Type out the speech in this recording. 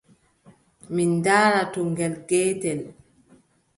Min ndaara to ngel geetel.